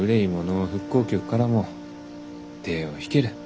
う復興局からも手を引ける。